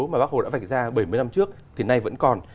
mà bác hồ đã vạch ra bảy mươi năm trước thì nay vẫn còn